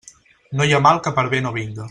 No hi ha mal que per bé no vinga.